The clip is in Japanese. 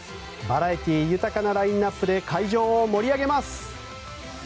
バラエティー豊かなラインナップで会場を盛り上げます。